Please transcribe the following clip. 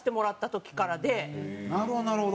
なるほどなるほど。